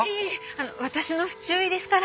あの私の不注意ですから。